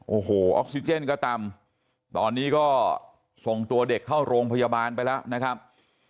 โอ้โหออกซิเจนก็ต่ำตอนนี้ก็ส่งตัวเด็กเข้าโรงพยาบาลไปแล้วนะครับ